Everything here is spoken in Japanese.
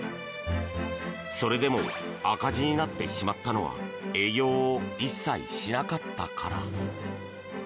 それでも赤字になってしまったのは営業を一切しなかったから。